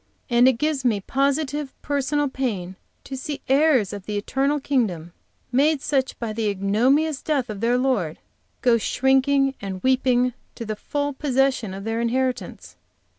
And it gives me positive personal pain to see heirs of the eternal kingdom, made such by the ignominious death of their Lord, go shrinking and weeping to the full possession of their inheritance."